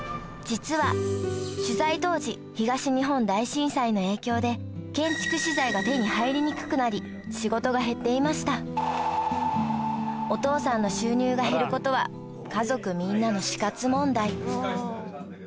実は取材当時東日本大震災の影響で建築資材が手に入りにくくなり仕事が減っていましたお父さんの収入が減ることは家族みんなの死活問題